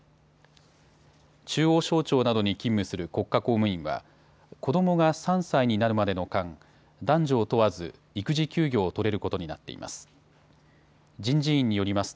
中央省庁などに勤務する国家公務員は子どもが３歳になるまでの間、男女を問わず育児休業を取れることになっています。